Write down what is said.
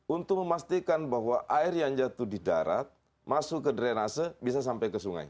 untuk memastikan bahwa air yang jatuh di darat masuk ke drenase bisa sampai ke sungai